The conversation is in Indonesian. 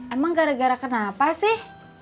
emang gara gara kenapa sih